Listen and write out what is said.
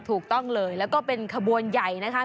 ถูกต้องเลยแล้วก็เป็นขบวนใหญ่นะคะ